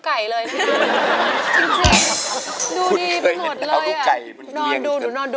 แท่ป้องกัด